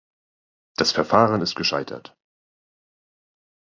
Das Verfahren ist gescheitert.